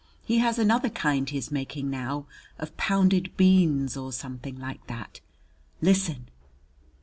He has another kind he is making now of pounded beans, or something like that. Listen!"